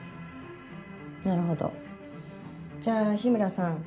なるほどじゃあ日村さん